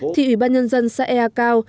thì ủy ban nhân dân xã ea cao